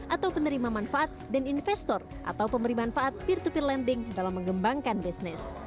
atau penerima manfaat dan investor atau pemberi manfaat peer to peer lending dalam mengembangkan bisnis